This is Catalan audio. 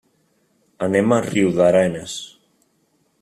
Anem a Riudarenes.